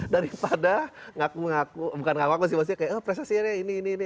daripada ngaku ngaku bukan gak ngaku sih maksudnya kayak presasirnya ini ini ini